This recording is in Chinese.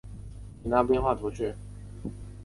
里勒河畔拉费里耶尔人口变化图示